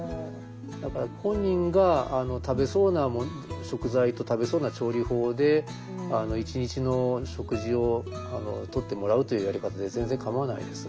だから本人が食べそうな食材と食べそうな調理法で一日の食事をとってもらうというやり方で全然かまわないです。